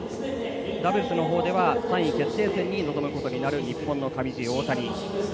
ダブルスのほうでは３位決定戦に臨むことになる日本の上地、大谷。